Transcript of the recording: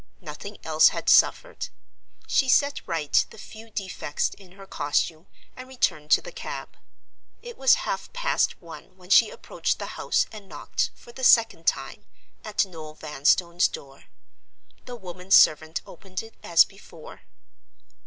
Nothing else had suffered. She set right the few defects in her costume, and returned to the cab. It was half past one when she approached the house and knocked, for the second time, at Noel Vanstone's door. The woman servant opened it as before.